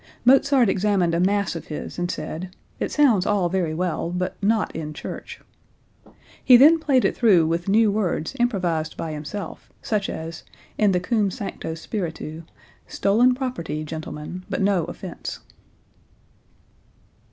Mozart examined a mass of his and said: "It sounds all very well, but not in church." He then played it through with new words improvised by himself, such as (in the Cum sancto spiritu) "Stolen property, gentlemen, but no offence.")